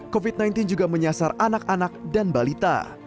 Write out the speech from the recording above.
covid sembilan belas juga menyasar anak anak dan balita